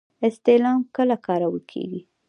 استعلام کله کارول کیږي؟